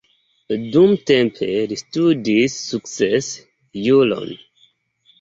Dumtempe li studis sukcese juron.